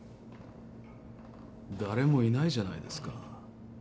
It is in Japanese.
誰もいないじゃないですか。